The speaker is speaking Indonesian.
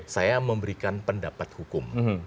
saya memberikan pendapat hukum